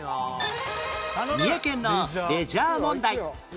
三重県のレジャー問題